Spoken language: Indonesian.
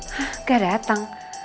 hah gak dateng